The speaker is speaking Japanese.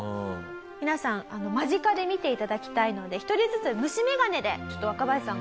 皆さん間近で見て頂きたいので１人ずつ虫眼鏡でちょっと若林さんから。